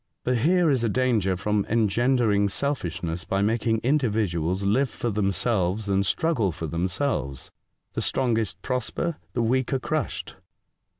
But here is a danger from engendering selfishness by making individuals live for themselves and struggle for them selves. The strongest prosper, the weak are crushed."